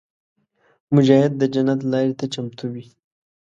مجاهد د جنت لارې ته چمتو وي.